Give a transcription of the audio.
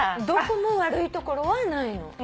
どこも悪いところはないの。